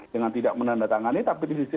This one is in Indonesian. dengan tidak menandatangani tapi di sisi